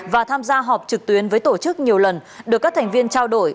và tham gia họp trực tuyến với tổ chức nhiều lần được các thành viên trao đổi